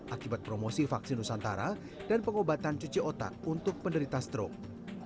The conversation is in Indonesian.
akibat promosi vaksin nusantara dan pengobatan cuci otak untuk penderita stroke